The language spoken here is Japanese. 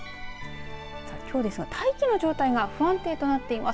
きょうですが大気の状態が不安定となってます。